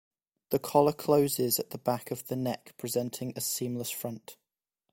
The collar closes at the back of the neck, presenting a seamless front.